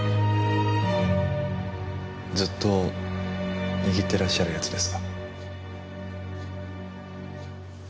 ずっと握ってらっしゃるやつですか？